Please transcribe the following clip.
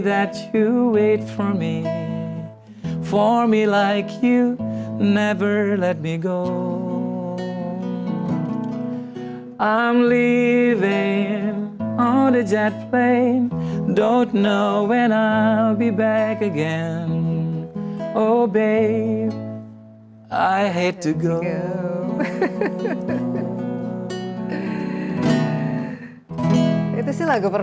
itu sih lagu perpisahan yang tantowi kepada saya